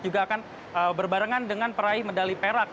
juga akan berbarengan dengan peraih medali perak